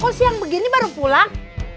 kok siang begini baru pulang